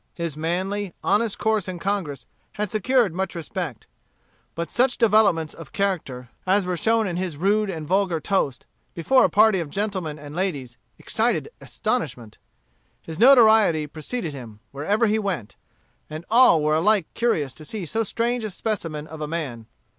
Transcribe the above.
His manly, honest course in Congress had secured much respect. But such developments of character as were shown in his rude and vulgar toast, before a party of gentlemen and ladies, excited astonishment. His notoriety preceded him, wherever he went; and all were alike curious to see so strange a specimen of a man.